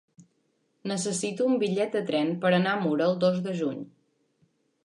Necessito un bitllet de tren per anar a Mura el dos de juny.